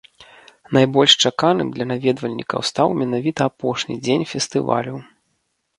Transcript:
Найбольш чаканым для наведвальнікаў стаў менавіта апошні дзень фестывалю.